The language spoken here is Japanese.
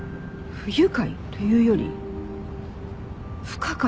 不愉快というより不可解です。